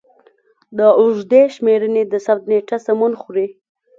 د اوږدې شمېرنې د ثبت نېټه سمون خوري.